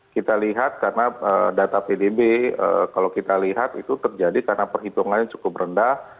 kita lihat karena data pdb kalau kita lihat itu terjadi karena perhitungannya cukup rendah